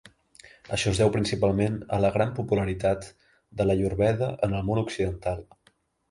Això es deu principalment a la gran popularitat de l'ayurveda en el món occidental.